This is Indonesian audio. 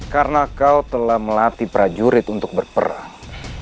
karena kau telah melatih prajurit untuk berperang